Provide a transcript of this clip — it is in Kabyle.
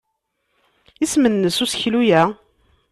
Isem-nnes useklu-a?